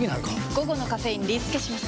午後のカフェインリスケします！